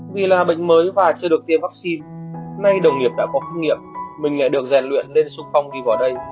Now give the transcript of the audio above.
vì là bệnh mới và chưa được tiêm vaccine nay đồng nghiệp đã có kinh nghiệm mình lại được rèn luyện lên sung phong đi vào đây